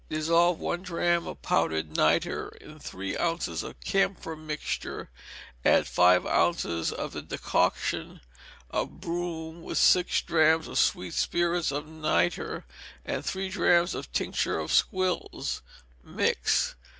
Dissolve one drachm of powdered nitre in three ounces of camphor mixture; add five ounces of the decoction of broom, with six drachms of sweet spirits of nitre, and three drachms of tincture of squills; mix.